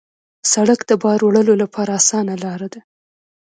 سړک د بار وړلو لپاره اسانه لاره ده.